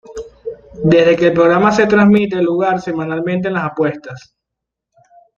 Desde que el programa se transmite lugar semanalmente en las apuestas.